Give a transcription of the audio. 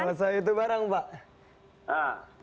selesai itu barang mbak